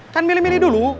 kan milih milih dulu